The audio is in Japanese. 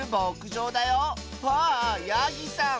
わあヤギさん！